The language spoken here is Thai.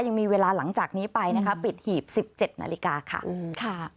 ยังมีเวลาหลังจากนี้ไปนะคะปิดหีบ๑๗นาฬิกาค่ะ